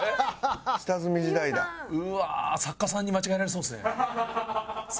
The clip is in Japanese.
「うわあ作家さんに間違えられそうですね」